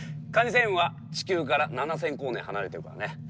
かに星雲は地球から７，０００光年離れてるからね。